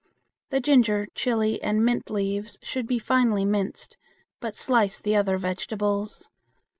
The ginger, chili, and mint leaves should be finely minced, but slice the other vegetables.